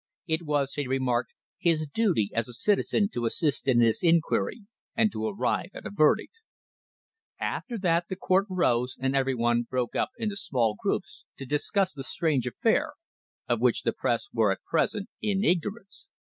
It was, he remarked, his duty as a citizen to assist in this inquiry, and to arrive at a verdict. After that the court rose, and every one broke up into small groups to discuss the strange affair of which the Press were at present in ignorance.